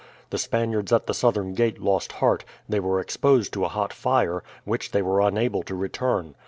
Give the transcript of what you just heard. The Spaniards at the southern gate lost heart; they were exposed to a hot fire, which they were unable to return.